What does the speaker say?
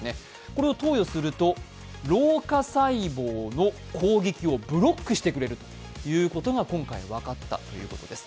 これを投与すると老化細胞の攻撃をブロックしてくれるということが今回分かったということです。